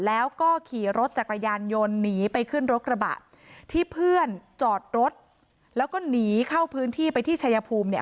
แล้วก็ขี่รถจักรยานยนต์หนีไปขึ้นรถกระบะที่เพื่อนจอดรถแล้วก็หนีเข้าพื้นที่ไปที่ชายภูมิเนี่ย